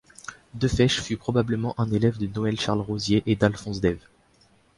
De Fesch fut probablement un élève de Noël-Charles Rosier et d'Alphonse d'Ève.